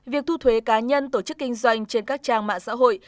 việc thu thuế cá nhân tổ chức kinh doanh trên các trang mạng xã hội